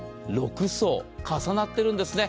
６層重なっているんですね。